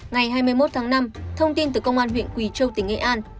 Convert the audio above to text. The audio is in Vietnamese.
ngày hai mươi một tháng năm thông tin từ công an huyện quỳ châu tỉnh nghệ an